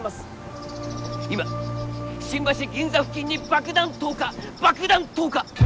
今新橋銀座付近に爆弾投下爆弾投下！